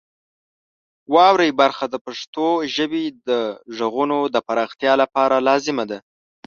واورئ برخه د پښتو ژبې د غږونو د پراختیا لپاره لازمه ده.